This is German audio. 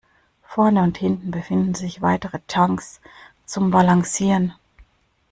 Vorne und hinten befinden sich weitere Tanks zum Balancieren.